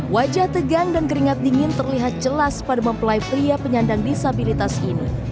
wajah tegang dan keringat dingin terlihat jelas pada mempelai pria penyandang disabilitas ini